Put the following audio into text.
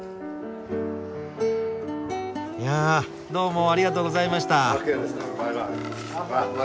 いやどうもありがとうございました。